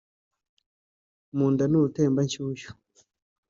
mu nda ni urutembanshyushyu